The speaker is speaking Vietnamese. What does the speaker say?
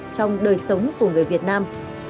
trong đời sống của người việt nam